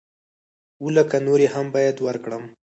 اووه لکه نورې هم بايد ورکړم.